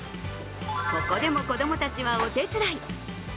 ここでも子供たちはお手伝い。